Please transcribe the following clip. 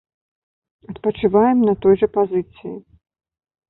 Адпачываем на той жа пазіцыі.